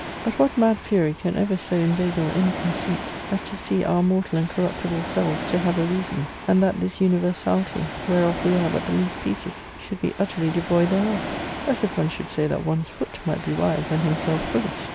But what mad fury can ever so inveigle any conceit as to see our mortal and corruptible selves to have a reason, and that this uni versality, whereof we are but the least pieces, should be utterly devoid thereof? As if one should say that one's' foot might be wise and himself foolish.